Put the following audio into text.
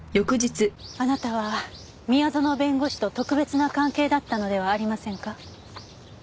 あなたは宮園弁護士と特別な関係だったのではありませんか？